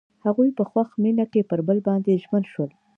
هغوی په خوښ مینه کې پر بل باندې ژمن شول.